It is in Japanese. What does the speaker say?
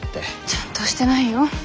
ちゃんとしてないよ。